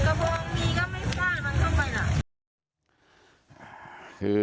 กระโบมีก็ไม่ว่ามาทำไม